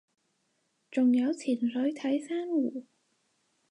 仲有潛水睇珊瑚